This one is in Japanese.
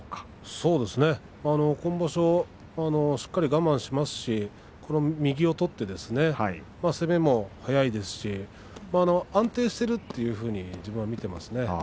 そうですね、今場所はしっかり我慢しますし右を取って攻めも速いですし安定しているというふうに自分は見ていますね。